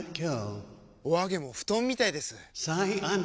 お揚げも布団みたいです！